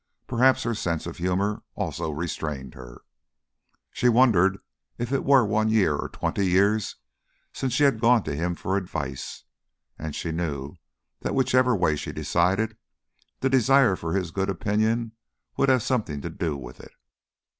(Perhaps her sense of humour also restrained her.) She wondered if it were one year or twenty years since she had gone to him for advice; and she knew that whichever way she decided, the desire for his good opinion would have something to do with it.